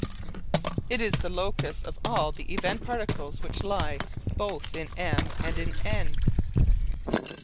It is the locus of all the event particles which lie both in M and in N.